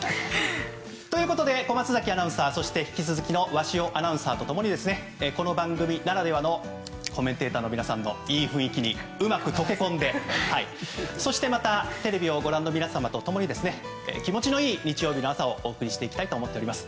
小松崎アナウンサーそして引き続きの鷲尾アナウンサーと共にこの番組ならではのコメンテーターの皆さんのいい雰囲気にうまく溶け込んでそしてまたテレビをご覧の皆さんと共に気持ちのいい日曜日の朝をお送りしていきたいと思います。